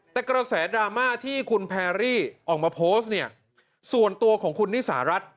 แต่กระแสดราม่าที่คุณแพรรี่ออกมาโพสต์เนี่ยส่วนตัวของคุณนิสารัฐ